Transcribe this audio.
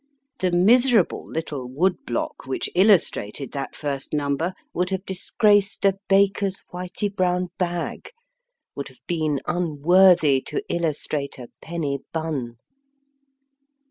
The miserable little wood block which illustrated that first number would have disgraced a baker s whitey brown bag, would have been un worthy to illustrate a penny bun.